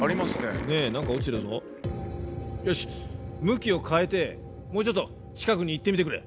向きを変えてもうちょっと近くに行ってみてくれ。